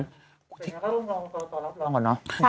ตอนนี้ก็ต้องรองต่อรับรองก่อนเนอะ